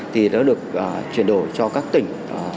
thì nó được chuyển đổi cho các tỉnh